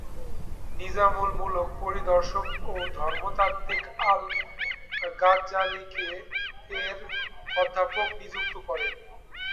নিজামুল মুলক দার্শনিক ও ধর্মতাত্ত্বিক আল-গাজ্জালিকে এর অধ্যাপক নিযুক্ত করেন।